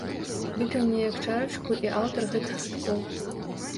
Выпіў неяк чарачку і аўтар гэтых радкоў.